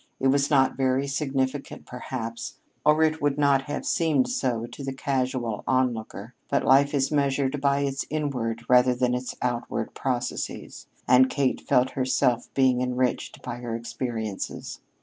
It was not very significant, perhaps, or it would not have seemed so to the casual onlooker, but life is measured by its inward rather than its outward processes, and Kate felt herself being enriched by her experiences.